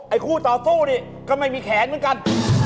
คู่ต่อสู้นี่ก็ไม่มีแขนเหมือนกัน